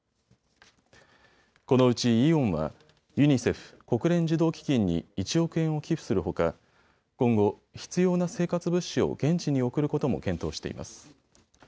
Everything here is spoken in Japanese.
このうちイオンはユニセフ・国連児童基金に１億円を寄付するほか今後、必要な生活物資を現地に送ることも検討しています。